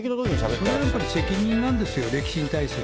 それは責任なんですよ、歴史に対する。